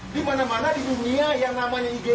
di mana mana di dunia yang namanya igd itu dua puluh empat jam